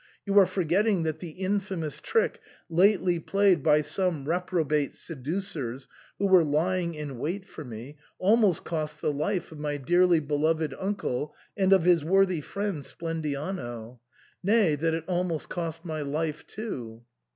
Yor are forgetting that the infamous trick lately played by some reprobate seducers, who were lying in wait for me, almost cost the life of my dearly beloved uncle, and of his worthy friend Splendiano ; nay, that it almost cost my life too.